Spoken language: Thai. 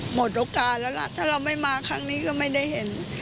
หมดโอกาสแล้วล่ะถ้าเราไม่มาครั้งนี้ก็ไม่ได้เห็น